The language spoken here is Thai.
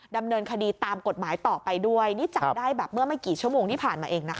ดำเนินคดีตามกฎหมายต่อไปด้วยนี่จับได้แบบเมื่อไม่กี่ชั่วโมงที่ผ่านมาเองนะคะ